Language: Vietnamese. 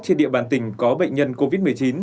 trên địa bàn tỉnh có bệnh nhân covid một mươi chín